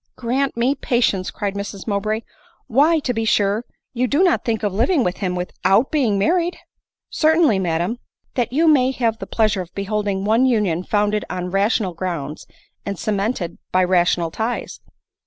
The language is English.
" Grant me patience !" cried Mrs Mowbray ;" why, to bfe sure, you do not think of living with him without being married ?"" Certainly, madam ; that you may have the pleasure of beholding one union founded on rational grounds and cemented by rational ties."